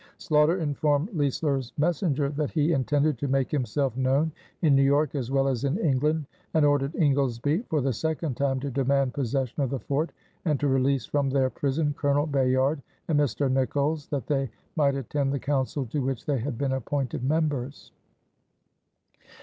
Sloughter informed Leisler's messenger that he intended to make himself known in New York as well as in England and ordered Ingoldesby for the second time to demand possession of the fort and to release from their prison Colonel Bayard and Mr. Nicolls, that they might attend the council to which they had been appointed members.